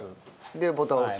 でボタンを押す。